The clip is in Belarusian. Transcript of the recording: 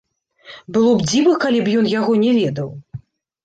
Было б дзіва, калі б ён яго не ведаў.